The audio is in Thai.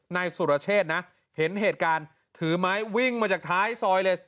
นายสุรเชษนะเห็นเหตุการณ์ถือไม้วิ่งมาจากท้ายซอยเลย